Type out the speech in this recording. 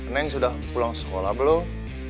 neng sudah pulang sekolah belum